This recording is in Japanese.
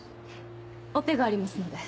オペがありますので。